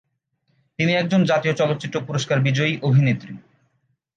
তিনি একজন জাতীয় চলচ্চিত্র পুরস্কার বিজয়ী অভিনেত্রী।